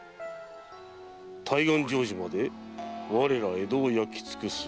「大願成就まで我ら江戸を焼き尽くす」。